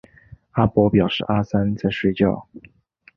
阿伯表示阿三在睡觉